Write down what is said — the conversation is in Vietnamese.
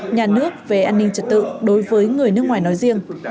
nhà nước về an ninh trật tự đối với người nước ngoài nói riêng